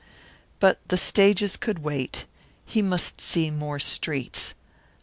But the stages could wait. He must see more streets.